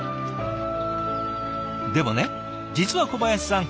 でもね実は小林さん